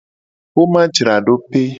Xomajradope.